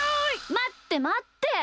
まってまって。